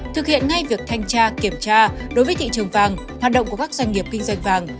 thực hiện ngay việc thanh tra kiểm tra đối với thị trường vàng hoạt động của các doanh nghiệp kinh doanh vàng